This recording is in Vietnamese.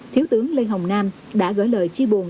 thiếu tướng lê hồng nam đã gửi lời chia buồn